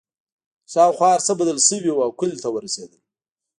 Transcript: شاوخوا هرڅه بدل شوي وو او کلي ته ورسېدل